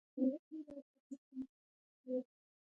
دښتې د افغانستان د اجتماعي جوړښت برخه ده.